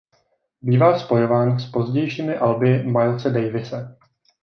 Bývá spojován s pozdějšími alby Milese Davise.